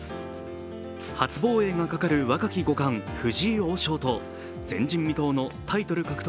初防衛がかかる若き五冠・藤井王将と前人未到のタイトル獲得